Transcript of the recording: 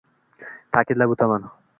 Ta’kidlab o‘taman